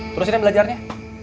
terusin ya belajarnya